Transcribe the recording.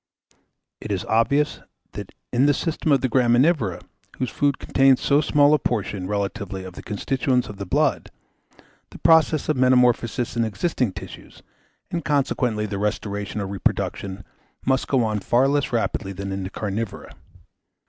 It is obvious, that in the system of the graminivora, whose food contains so small a portion, relatively, of the constituents of the blood, the process of metamorphosis in existing tissues, and consequently their restoration or reproduction, must go on far less rapidly than in the carnivora.